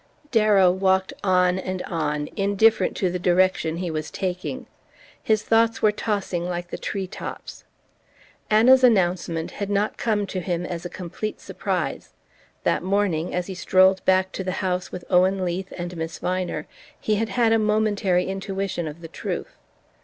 Darrow walked on and on, indifferent to the direction he was taking. His thoughts were tossing like the tree tops. Anna's announcement had not come to him as a complete surprise: that morning, as he strolled back to the house with Owen Leath and Miss Viner, he had had a momentary intuition of the truth.